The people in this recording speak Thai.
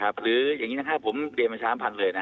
๑๑๕๕ครับหรืออย่างนี้นะครับผมเรียนมาช้ามพันเลยนะฮะ